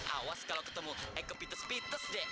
awas kalau ketemu eh kepites pitest deh